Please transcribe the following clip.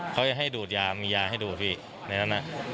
เขาจะให้ดูดยามียาให้ดูดพี่ในนั้น